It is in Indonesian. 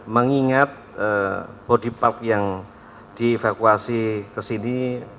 mengingat body part yang dievakuasi ke sini